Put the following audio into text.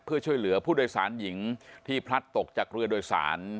เพื่อช่วยเหลือผู้โดยสารหญิงที่พลัดตกจากเรือโดยสาร